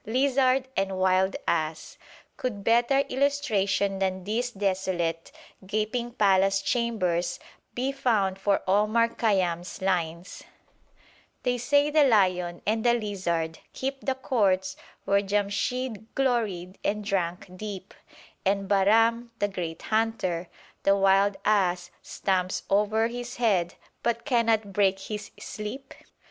Lizard and wild ass! Could better illustration than these desolate, gaping palace chambers be found for Omar Khayyam's lines: "They say the Lion and the Lizard keep The Courts where Jamshyd gloried and drank deep; And Bahram that great hunter the wild ass Stamps o'er his head, but cannot break his sleep"?